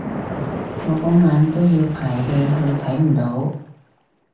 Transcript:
我嗰晚都要排戲去唔到睇